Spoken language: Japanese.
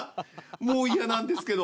もう嫌なんですけど。